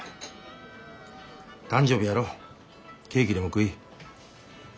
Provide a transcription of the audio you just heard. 誕生日やろケーキでも食い。